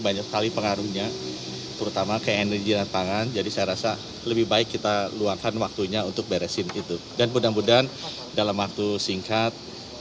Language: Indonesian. dan juga di keadaan yang paling terakhir dan saya rasa lebih baik kita buatkan waktunya untuk beres itu dan mudah mudahan dalam waktu singkat